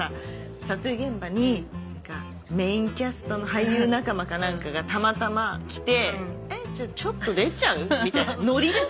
撮影現場にメインキャストの俳優仲間か何かがたまたま来て「えっちょっと出ちゃう？」みたいなノリでさ。